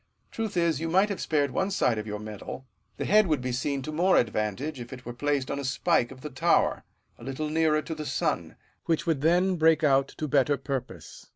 Truth is, you iuight have spared one side of your Medal : the head would be seen to more advantage if it were placed on a spike of the Tower, a little nearer to the sun, which would then break out to better purpose.